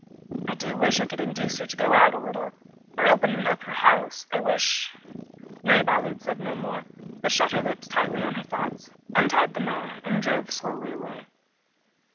"I do wish I could induce her to go out a little or open up her house. I wish " Mary Ballard said no more, but shut her lips tightly on her thoughts, untied the mare, and drove slowly away.